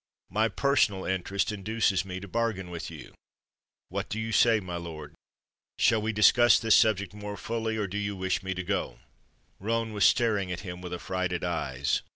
My personal interest induces me to bargain with you. What do you say, my lord? Shall we discuss this subject more fully, or do you wish me to go?" Roane was staring at him with affrighted eyes.